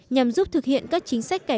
nhằm giúp thực hiện các chính sách